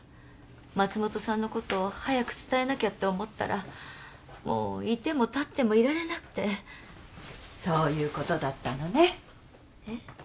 松本さんのこと早く伝えなきゃって思ったらもう居ても立ってもいられなくてそういうことだったのねえっ？